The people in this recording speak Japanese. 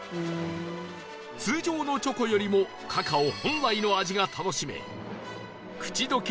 通常のチョコよりもカカオ本来の味が楽しめ口溶け